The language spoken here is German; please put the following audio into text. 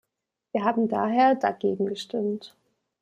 Wir haben daher dagegen gestimmt.